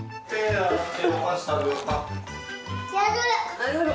やる！